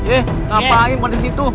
eh ngapain pada situ